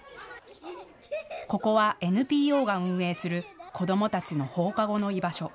ここはＮＰＯが運営する子どもたちの放課後の居場所。